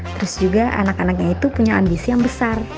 terus juga anak anaknya itu punya ambisi yang besar